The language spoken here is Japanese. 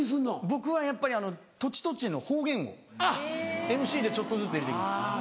僕はやっぱり土地土地の方言をＭＣでちょっとずつ入れて行きます。